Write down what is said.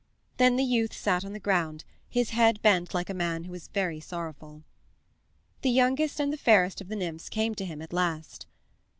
Then the youth sat on the ground, his head bent like a man who is very sorrowful. The youngest and the fairest of the nymphs came to him at last.